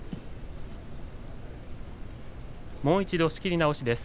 もう一度、仕切り直しです。